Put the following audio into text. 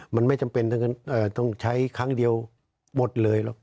มันไม่จำเป็นต้องใช้ครั้งเดียวหมดเลยหรอก